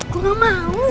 gue gak mau